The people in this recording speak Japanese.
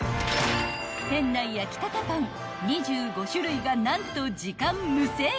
［店内焼きたてパン２５種類が何と時間無制限］